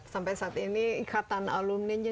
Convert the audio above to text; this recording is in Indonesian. sampai saat ini ikatan alumni nya